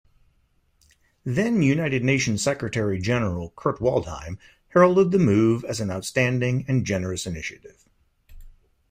Then-United Nations Secretary-General Kurt Waldheim heralded the move as an outstanding and generous initiative.